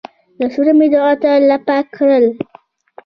لاسونه مې دعا ته لپه کړل.